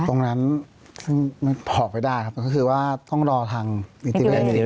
ตรงนั้นซึ่งมันออกไปได้ครับก็คือว่าต้องรอทางนิติเวศ